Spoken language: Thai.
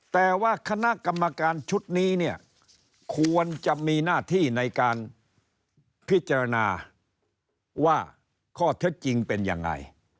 แต่ว่าคณะกรรมการชุดนี้เนี่ยควรจะมีหน้าที่ในการพิจารณาว่าข้อเท็จจริงเป็นยังไง